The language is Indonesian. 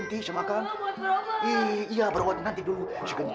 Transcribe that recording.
nih gua balikin nih duitnya